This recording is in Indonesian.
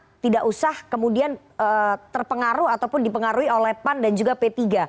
karena tidak usah kemudian terpengaruh ataupun dipengaruhi oleh pan dan juga p tiga